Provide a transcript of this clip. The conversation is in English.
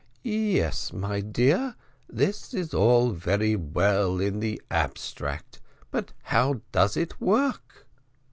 "Yes, my dear, this is all very well in the abstract; but how does it work?"